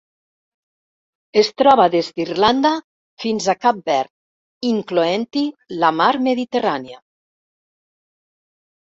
Es troba des d'Irlanda fins a Cap Verd, incloent-hi la Mar Mediterrània.